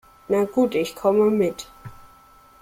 Na gut, ich komme mit.